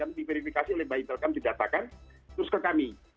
kamu diverifikasi oleh mbak intelkam didatakan terus ke kami